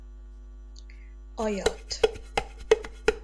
A Jat.